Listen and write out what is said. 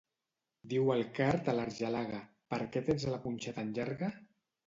Diu el card a l'argelaga: Per què tens la punxa tan llarga?